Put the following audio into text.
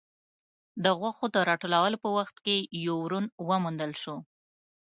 د غوښو د راټولولو په وخت کې يو ورون وموندل شو.